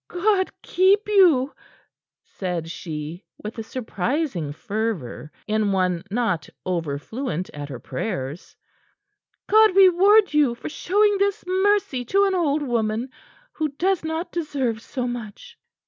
"God keep you!" said she, with a surprising fervor in one not over fluent at her prayers. "God reward you for showing this mercy to an old woman who does not deserve so much."